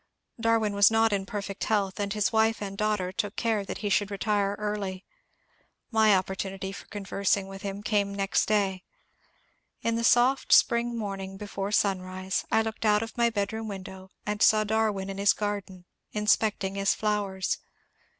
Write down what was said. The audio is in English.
Darwin was not in perfect health, and his wife and daugh ters took care that he should retire early. My opportunity for conversing with him came next day. In the soft spring morn ing before sunrise I looked out of my bedroom window and saw Darwin in his garden, inspecting his flowers.